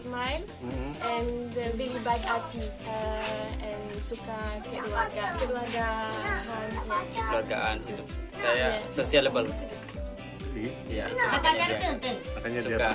makanya dia tertarik ya